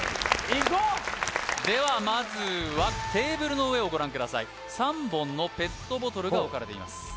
いこうではまずはテーブルの上をご覧ください３本のペットボトルが置かれています